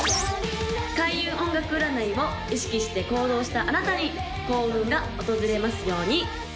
開運音楽占いを意識して行動したあなたに幸運が訪れますように！